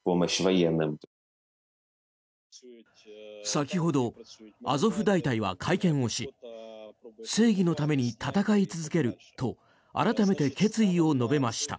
先ほどアゾフ大隊は会見をし正義のために戦い続けると改めて決意を述べました。